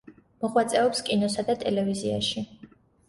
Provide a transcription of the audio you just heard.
მოღვაწეობს კინოსა და ტელევიზიაში.